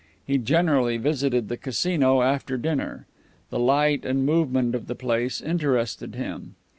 He generally visited the Casino after dinner. The light and movement of the place interested him.